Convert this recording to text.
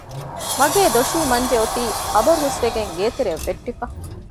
މަގޭ ދޮށީ މަންޖެ އޮތީ ޚަބަރު ހުސްވެގެން ގޭތެރެއަށް ވެއްޓިފަ